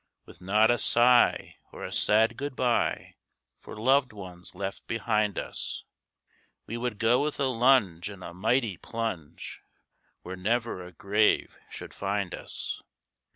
With not a sigh or a sad good bye For loved ones left behind us, We would go with a lunge and a mighty plunge Where never a grave should find us.